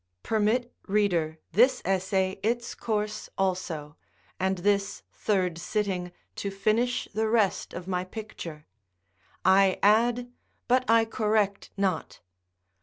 Permit, reader, this essay its course also, and this third sitting to finish the rest of my picture: I add, but I correct not.